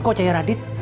kok cair radit